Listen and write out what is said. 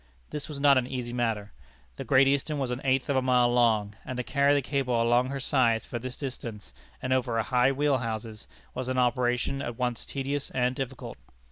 This was not an easy matter. The Great Eastern was an eighth of a mile long, and to carry the cable along her sides for this distance, and over her high wheel houses, was an operation at once tedious and difficult.